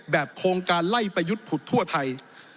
โครงการไล่ประยุทธ์ผุดทั่วไทย